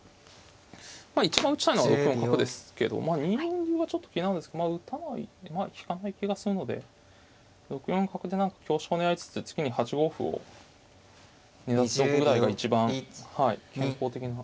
まあ一番打ちたいのは６四角ですけど２四歩はちょっと気になるんですけど打たないまあ引かない気がするので６四角で香車を狙いつつ次に８五歩を狙っておくぐらいが一番健康的な。